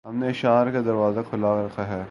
ہم نے اشعار کا دروازہ کھُلا رکھا ہے